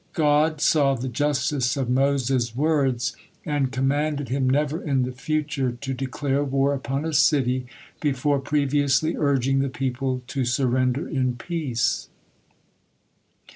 God saw the justice of Moses' words, and commanded him never in the future to declare war upon a city before previously urging the people to surrender in peace.